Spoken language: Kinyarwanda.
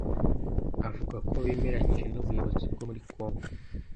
Avuga ko bemeranyije n’ubuyobozi bwo muri Congo